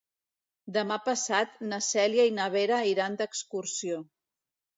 Demà passat na Cèlia i na Vera iran d'excursió.